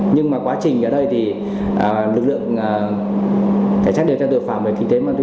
nhưng mà quá trình ở đây thì lực lượng cảnh sát điều tra tội phạm về kinh tế ma túy